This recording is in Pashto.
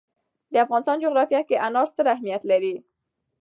د افغانستان جغرافیه کې انار ستر اهمیت لري.